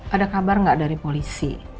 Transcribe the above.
ada kabar nggak dari polisi